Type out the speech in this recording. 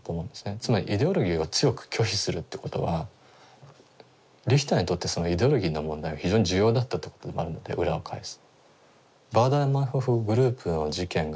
つまりイデオロギーを強く拒否するってことはリヒターにとってそのイデオロギーの問題は非常に重要だったってことでもあるので裏を返すと。